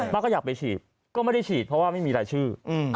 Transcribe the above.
ก็อยากไปฉีดก็ไม่ได้ฉีดเพราะว่าไม่มีรายชื่อ